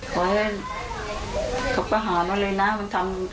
ขอให้เขาประหารกันเลยนะทำคนหนูยังไง